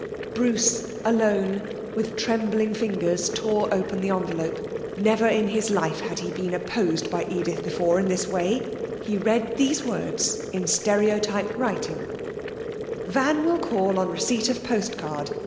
Bruce, alone, with trembling fingers tore open the envelope. Never in his life had he been opposed by Edith before in this way. He read these words in stereotyped writing: _'Van will call on receipt of post card.